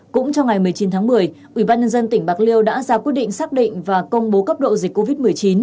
cũng trong ngày một mươi chín tháng một mươi ubnd tỉnh bạc liêu đã ra quyết định xác định và công bố cấp độ dịch covid một mươi chín